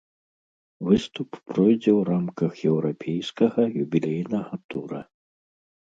Выступ пройдзе ў рамках еўрапейскага юбілейнага тура.